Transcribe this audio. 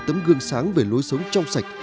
tấm gương sáng về lối sống trong sạch